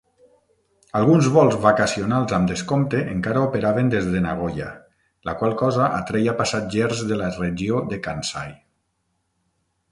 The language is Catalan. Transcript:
Alguns vols vacacionals amb descompte encara operaven des de Nagoya, la qual cosa atreia passatgers de la regió de Kansai.